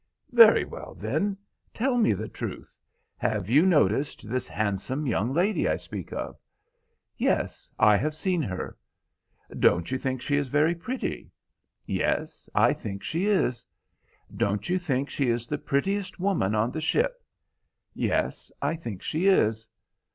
"Very well, then; tell me the truth. Have you noticed this handsome young lady I speak of?" "Yes, I have seen her." "Don't you think she is very pretty?" "Yes, I think she is." "Don't you think she is the prettiest woman on the ship?" "Yes, I think she is."